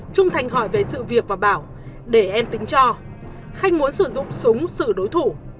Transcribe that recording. trung thành hỏi về sự việc và bảo để em tính cho khanh muốn sử dụng súng xử đối thủ